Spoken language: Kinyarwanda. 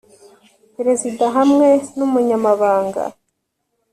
Perezida hamwe n Umunyamabanga